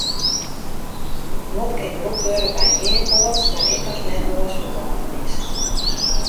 It guod kin brûkt wurde by heakoarts mar ek as men noasferkâlden is.